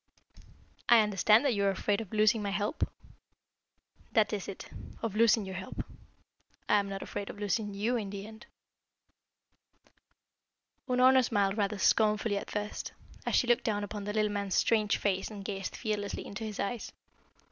"I understand that you are afraid of losing my help." "That is it of losing your help. I am not afraid of losing you in the end." Unorna smiled rather scornfully at first, as she looked down upon the little man's strange face and gazed fearlessly into his eyes.